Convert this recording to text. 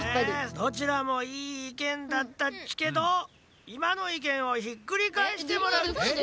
どちらもいいいけんだったっちけどいまのいけんをひっくり返してもらうっち。